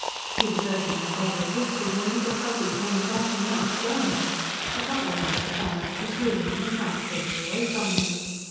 He was opening a bottle of whisky when Little Fuzzy came dashing out, blowing on it, a couple more of the family pursuing him and trying to get it away from him.